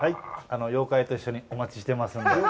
妖怪と一緒にお待ちしてますんで。